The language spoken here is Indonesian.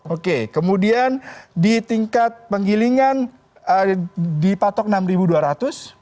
oke kemudian di tingkat penggilingan dipatok rp enam dua ratus